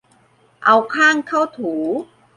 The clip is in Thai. เอาข้างเข้าถู